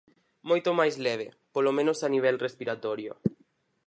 Moito máis leve, polo menos a nivel respiratorio.